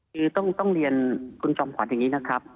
คือต้องเรียนคุณจอมขวัญอย่างนี้นะครับ